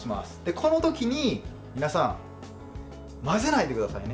このときに、皆さん混ぜないでくださいね。